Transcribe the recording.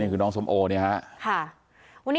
นี่คือน้องส้มโอเนี่ยครับ